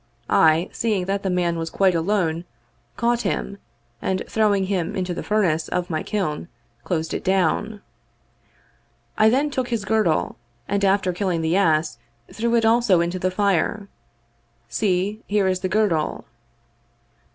I, seeing that the man was quite alone, caught him, and throwing him into the furnace of my kiln, closed it down. I then took his girdle, and after killing the ass threw it also into the fire. See, here is the girdle."